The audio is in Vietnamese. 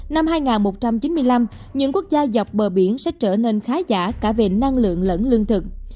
năm hai nghìn một trăm chín mươi năm những quốc gia dọc bờ biển sẽ trở nên khá giả cả về năng lượng lẫn lương thực